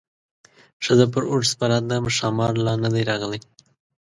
ښځه پر اوښ سپره ده ښامار لا نه دی راغلی.